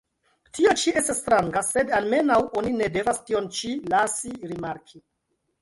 Tio ĉi estas stranga, sed almenaŭ oni ne devas tion ĉi lasi rimarki!